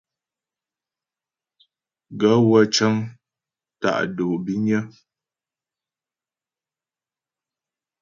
Gaə̂ wə́ cə́ŋ tá' dǒ bínyə́.